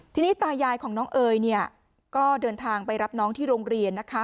ทีนี้ตายายของน้องเอ๋ยเนี่ยก็เดินทางไปรับน้องที่โรงเรียนนะคะ